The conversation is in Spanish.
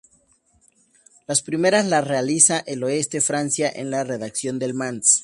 Las primeras las realiza al Oeste Francia, en la redacción del Mans.